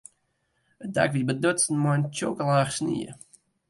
It dak wie bedutsen mei in tsjokke laach snie.